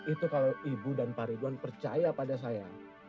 itu kalau ibu dan pak ridwan percaya pada saya